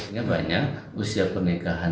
ini banyak usia pernikahan